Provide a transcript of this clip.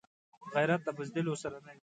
غیرت د بزدلو سره نه وي